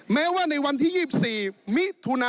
แม้ว่าในวันที่๒๔